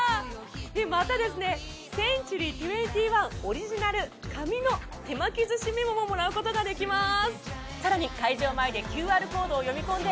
また、センチュリー２１オリジナル紙の手巻き寿司メモももらうことができます。